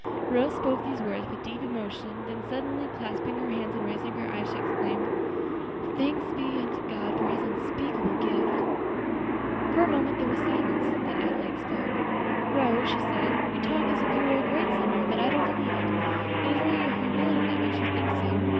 Rose spoke these words with deep emotion, then suddenly clasping her hands and raising her eyes, she exclaimed, "'Thanks be unto God for His unspeakable gift!'" For a moment there was silence. Then Adelaide spoke: "Rose," said she, "you talk as if you were a great sinner; but I don't believe it; it is only your humility that makes you think so.